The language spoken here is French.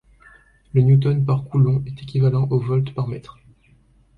Le newton par coulomb est équivalent au volt par mètre.